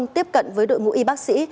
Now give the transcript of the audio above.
tiếp cận với đội ngũ y bác sĩ